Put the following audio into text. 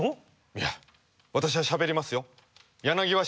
いや私はしゃべりますよ。